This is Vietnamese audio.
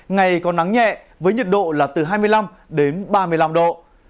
ngày có nắng nhẹ với nhiệt độ là từ hai mươi năm đến ba mươi năm độ